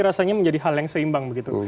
rasanya menjadi hal yang seimbang begitu